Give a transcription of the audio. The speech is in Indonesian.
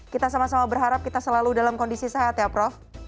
kita sama sama berharap kita selalu dalam kondisi sehat ya prof